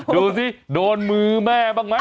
ดูสิโดนมือแม่บ้างไหม